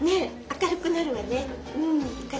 明るくなるわね。